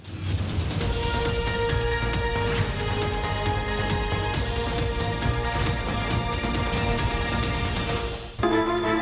ชื่อสองคนเธออยากรู้เอง